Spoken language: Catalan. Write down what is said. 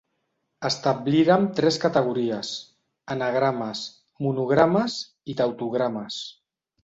Establirem tres categories: anagrames, monogrames i tautogrames.